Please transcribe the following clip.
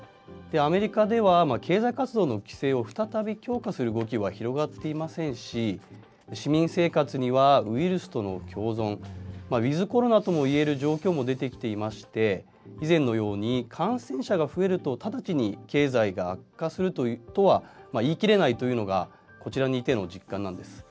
アメリカでは経済活動の規制を再び強化する動きは広がっていませんし、市民生活にはウイルスとの共存、ウィズコロナともいえる状況も出てきていまして、以前のように感染者が増えると直ちに経済が悪化するとは言い切れないというのがこちらにいての実感なんです。